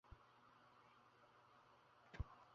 আগে, দরজাগুলো খোলা প্রয়োজন।